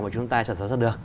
mà chúng ta sản xuất được